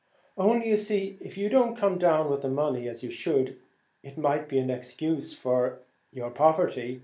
only, you see, if you don't come down with the money as you should, it might be an excuse for your poverty.